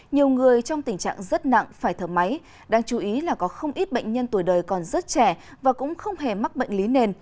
nhiều người trong tình trạng rất nặng phải thở máy đáng chú ý là có không ít bệnh nhân tuổi đời còn rất trẻ và cũng không hề mắc bệnh lý nền